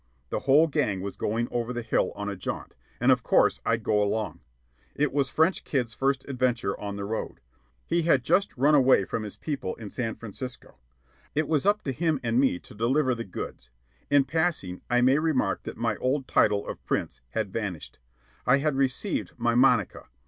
The whole gang was going over the hill on a jaunt, and of course I'd go along. It was French Kid's first adventure on The Road. He had just run away from his people in San Francisco. It was up to him and me to deliver the goods. In passing, I may remark that my old title of "Prince" had vanished. I had received my "monica."